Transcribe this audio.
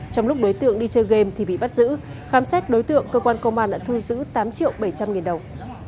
trong lúc đối tượng đi chơi game thì bị bắt giữ khám xét đối tượng cơ quan công an đã thu giữ tám triệu bảy trăm linh nghìn đồng